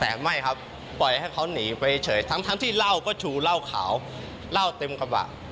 แต่ไม่ครับปล่อยให้เขาหนีไปเฉยทั้งที่เหล้าก็ชูเหล้าขาวเหล้าเต็มกระบะ